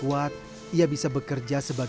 jadi aku akan bekerja keberan